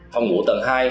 phòng ngủ tầng hai